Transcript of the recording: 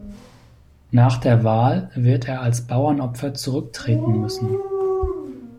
Nach der Wahl wird er als Bauernopfer zurücktreten müssen.